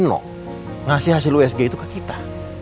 tapi hasil usg itu ke kita